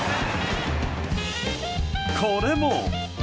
これも。